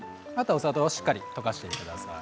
お砂糖をしっかり溶かしてください。